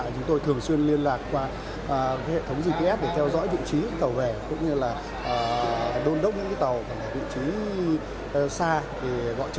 chúng tôi thường xuyên liên lạc qua hệ thống gps để theo dõi vị trí tàu về cũng như là đôn đốc những tàu ở vị trí xa để gọi trực tiếp